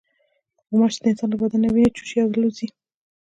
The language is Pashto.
غوماشې د انسان له بدن نه وینه چوشي او الوزي.